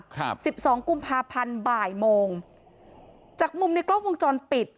สิบสองกุมภาพันธ์บ่ายโมงจากมุมในกล้องวงจรปิด